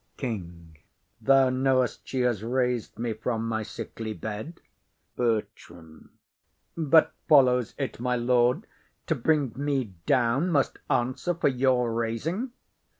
KING. Thou know'st she has rais'd me from my sickly bed. BERTRAM. But follows it, my lord, to bring me down Must answer for your raising?